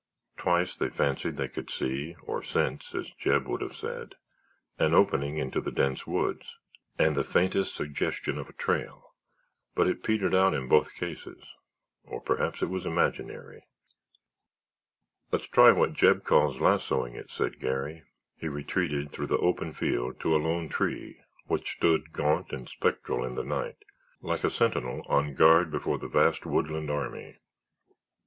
Twice they fancied they could see, or sense, as Jeb would have said, an opening into the dense woods and the faintest suggestion of a trail but it petered out in both cases—or perhaps it was imaginary. "Let's try what Jeb calls lassooing it," said Garry. He retreated through the open field to a lone tree which stood gaunt and spectral in the night like a sentinel on guard before that vast woodland army.